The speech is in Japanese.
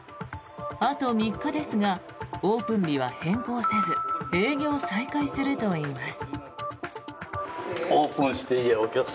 あと３日ですがオープン日は変更せず営業再開するといいます。